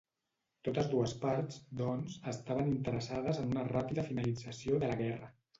Totes dues parts, doncs, estaven interessades en una ràpida finalització de la guerra.